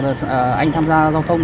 tổ công tác corrector